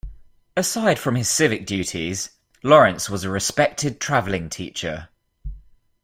Aside from his civic duties, Lawrence was a respected traveling teacher.